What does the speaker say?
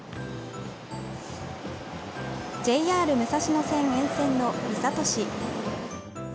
ＪＲ武蔵野線沿線の三郷市。